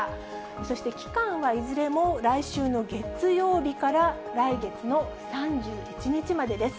そして期間はいずれも来週の月曜日から来月の３１日までです。